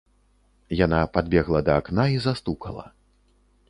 Яна падбегла да акна і застукала.